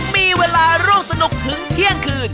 มีเวลาร่วมสนุกถึงเที่ยงคืน